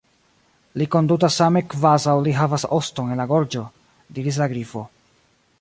"Li kondutas same kvazaŭ li havas oston en la gorĝo," diris la Grifo.